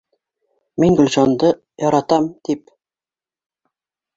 — Мин Гөлшанды яратам, тип